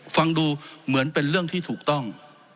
ฟังดูเหมือนเป็นเรื่องที่ถูกต้อง